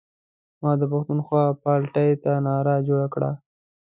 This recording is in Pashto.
ما د پښتونخوا پارټۍ ته نعره جوړه کړه.